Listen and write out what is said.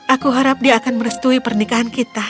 aku harap dia akan merestui pernikahan kita